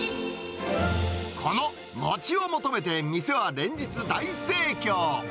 この餅を求めて、店は連日大盛況。